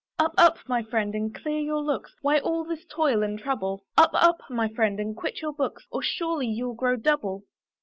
Up! up! my friend, and clear your looks, Why all this toil and trouble? Up! up! my friend, and quit your books, Or surely you'll grow double.